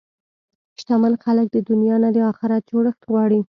شتمن خلک د دنیا نه د اخرت جوړښت غواړي.